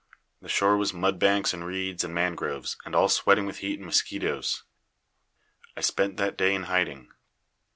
The shore was mudbanks and reeds and mangroves, and all sweating with heat and mosquitoes. I spent that day in hiding.